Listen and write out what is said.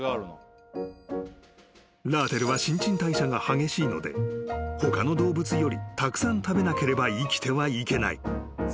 ［ラーテルは新陳代謝が激しいので他の動物よりたくさん食べなければ生きてはいけない］